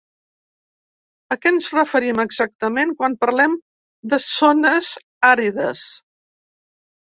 A què ens referim exactament quan parlem de zones àrides?